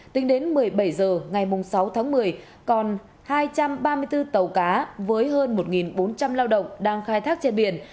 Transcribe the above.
tính đến một mươi bảy h ngày sáu tháng một mươi còn hai trăm ba mươi bốn tàu cá với hơn một bốn trăm linh lao động đang khai thác trên biển